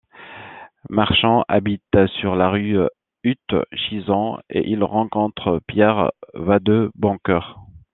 Marchand habite sur la rue Hutchison et il rencontre Pierre Vadeboncœur.